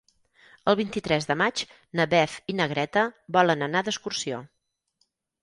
El vint-i-tres de maig na Beth i na Greta volen anar d'excursió.